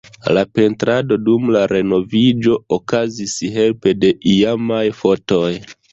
La pentrado dum la renoviĝo okazis helpe de iamaj fotoj.